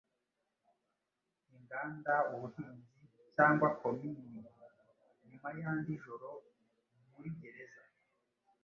inganda, ubuhinzi, cyangwa komini. Nyuma yandi joro muri gereza,